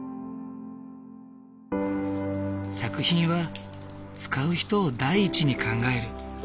作品は使う人を第一に考える。